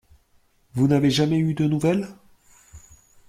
Vous n’avez jamais eu de nouvelles?